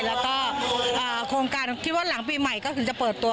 แล้วก็โครงการที่ว่าหลังปีใหม่ก็ถึงจะเปิดตัว